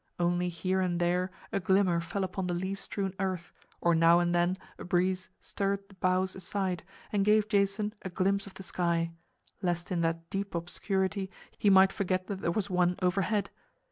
Only here and there a glimmer fell upon the leaf strewn earth, or now and then a breeze stirred the boughs aside and gave Jason a glimpse of the sky, lest in that deep obscurity he might forget that there was one overhead.